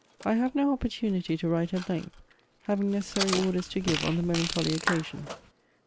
I have no opportunity to write at length, having necessary orders to give on the melancholy occasion.